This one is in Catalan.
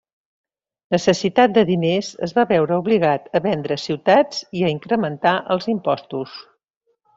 Necessitat de diners es va veure obligat a vendre ciutats i a incrementar els impostos.